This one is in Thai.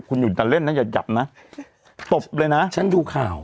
คุณอยู่แต่เล่นนะอย่าหยับนะตบเลยนะฉันดูข่าว